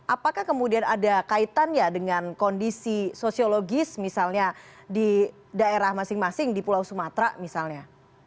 apakah kemudian ada kaitannya dengan kondisi sosiologis misalnya di daerah masing masing di pulau sumatera misalnya